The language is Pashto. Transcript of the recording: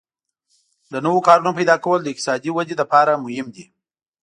د نوو کارونو پیدا کول د اقتصادي ودې لپاره مهم دي.